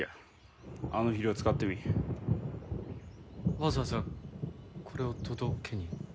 わざわざこれを届けに？